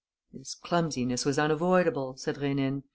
"This clumsiness was unavoidable," said Rénine.